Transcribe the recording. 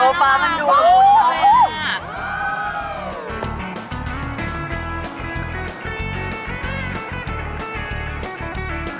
โอป้ามันดูดูเฉยน่ารัก